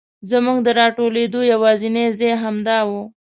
زمونږ د راټولېدو یواځینی ځای همدا و.